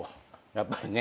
やっぱりね。